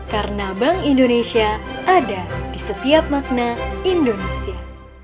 karena bank indonesia ada di setiap makna indonesia